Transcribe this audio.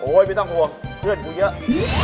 ไม่ต้องห่วงเพื่อนกูเยอะ